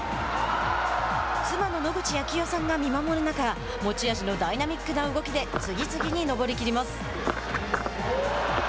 妻の野口啓代さんが見守る中持ち味のダイナミックな動きで次々に登り切ります。